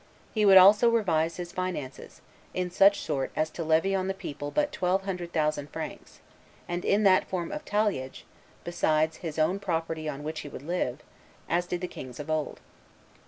He would also revise his finances, in such sort as to levy on the people but twelve hundred thousand francs, and that in form of talliage, besides his own property on which he would live, as did the kings of old."